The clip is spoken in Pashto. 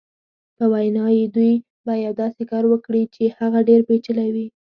په وینا یې دوی به یو داسې کار وکړي چې هغه ډېر پېچلی وي.